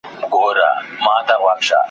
لکه چي جوړ سو `